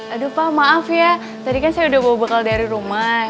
aduh pak maaf ya tadi kan saya udah bawa bekal dari rumah